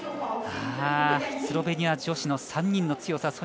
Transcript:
スロベニア女子の３人の強さ。